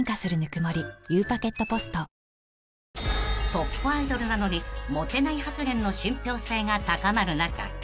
［トップアイドルなのにモテない発言の信ぴょう性が高まる中